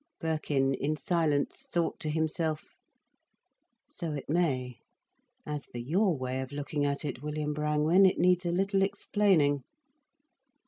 Birkin, in silence, thought to himself: "So it may. As for your way of looking at it, William Brangwen, it needs a little explaining."